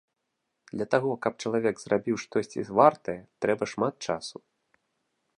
Для таго, каб чалавек зрабіў штосьці вартае, трэба шмат часу.